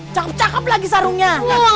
cakep cakep lagi sarungnya